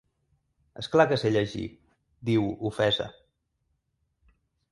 Esclar que sé llegir —diu, ofesa—.